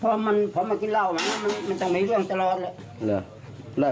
เพราะมันเพราะมันกินเล่ามันน่ะมันต้องมีเรื่องตลอดเลย